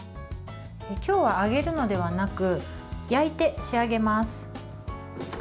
今日は揚げるのではなく焼いて仕上げます。